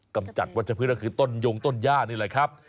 กำจัดวัชพฤษก็คือต้นยงต้นย่านี่แหละครับ